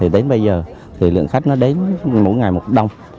đến bây giờ lượng khách đến mỗi ngày một đông